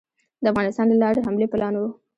د افغانستان له لارې حملې پلان وو.